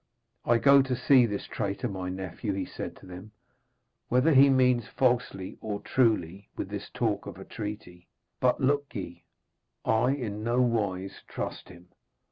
'I go to see this traitor, my nephew,' he said to them, 'whether he means falsely or truly with this talk of a treaty. But look ye, I in no wise trust him.